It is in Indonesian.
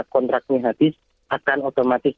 kontraknya habis akan otomatis